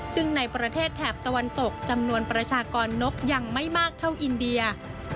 ซึ่งในประเทศแถบตะวันตกจำนวนประชากรนกยังไม่มากเท่าอินเดีย